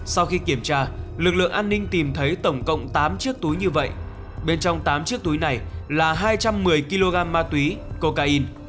sau khi kiểm tra lực lượng an ninh tìm thấy tổng cộng tám chiếc túi như vậy bên trong tám chiếc túi này là hai trăm một mươi kg ma túy cocaine